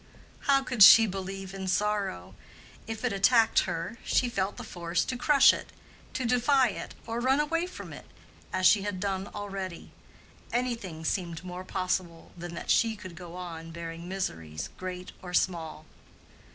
How could she believe in sorrow? If it attacked her, she felt the force to crush it, to defy it, or run away from it, as she had done already. Anything seemed more possible than that she could go on bearing miseries, great or small.